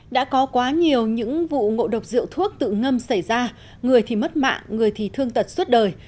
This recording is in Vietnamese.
đã có quá nhiều những vụ ngộ độc rượu thuốc tự ngâm xảy ra người thì mất mạng người thì thương tật suốt đời